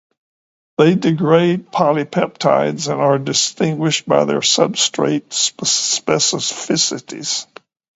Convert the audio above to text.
They degrade polypeptides and are distinguished by their substrate specificities.